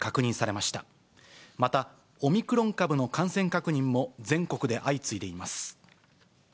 また、オミクロン株の感染確認も全国で相次いでいます。